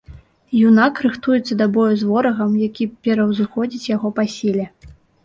Юнак рыхтуецца да бою з ворагам, які пераўзыходзіць яго па сіле.